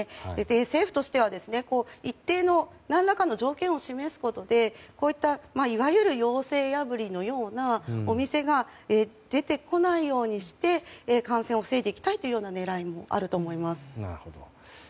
政府としては、一定の何らかの条件を示すことで要請破りのようなお店が出てこないようにして感染を防いでいきたいという狙いもあると思います。